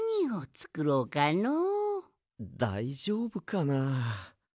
だいじょうぶかな。